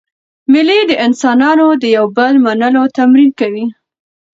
مېلې د انسانانو د یو بل منلو تمرین کوي.